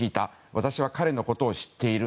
私は彼のことを知っている。